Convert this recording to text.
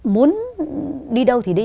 muốn đi đâu thì đi